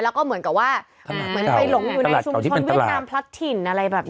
แล้วก็เหมือนกับว่าเหมือนไปหลงอยู่ในชุมชนเวียดนามพลัดถิ่นอะไรแบบนี้